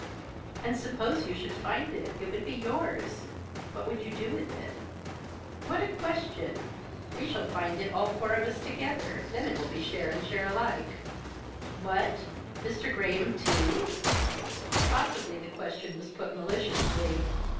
"And suppose you should find it it would be yours. What would you do with it?" "What a question! We shall find it all four of us together. It will be share and share alike." "What Mr. Graham too?" Possibly the question was put maliciously.